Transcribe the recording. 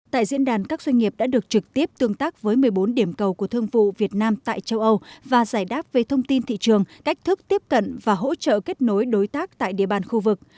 tại diễn đàn các doanh nghiệp đã được trực tiếp tương tác với một mươi bốn điểm cầu của thương vụ việt nam tại châu âu và giải đáp về thông tin thị trường cách thức tiếp cận và hỗ trợ kết nối đối tác tại địa bàn khu vực